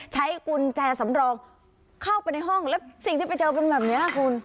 ใช้กุญแจสำรองเข้าไปในห้องแล้วสิ่งที่ไปเจอเป็นแบบนี้คุณ